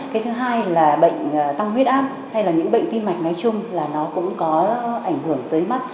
cái thứ hai là bệnh tăng huyết áp hay là những bệnh tim mạch nói chung là nó cũng có ảnh hưởng tới mắt